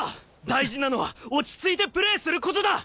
大事なのは落ち着いてプレーすることだ。